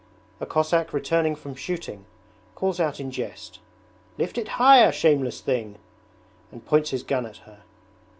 A Cossack returning from shooting calls out in jest: 'Lift it higher, shameless thing!' and points his gun at her.